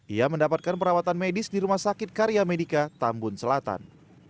ia mendapatkan perawatan medis di rumah sakit karya medica tambun selatan